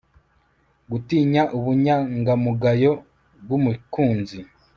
Gutinya ubunyangamugayo bwumukunzi